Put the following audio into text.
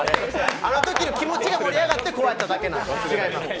あのときは気持ちが盛り上がって、こうやっただけ。